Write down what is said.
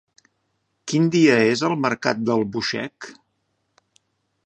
Quin dia és el mercat d'Albuixec?